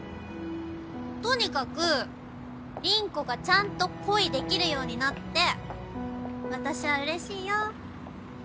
とにかく凛子がちゃんと恋できるようになって私はうれしいよ。